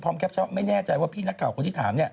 ต่อกันเดี๋ยวหนูมาถาว